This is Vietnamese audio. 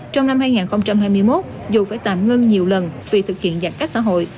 trong năm hai nghìn hai mươi một dù phải tạm ngưng nhiều lần vì thực hiện giãn cách xã hội